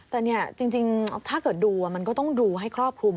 แต่เนี่ยจริงถ้าเกิดดูมันก็ต้องดูให้ครอบคลุม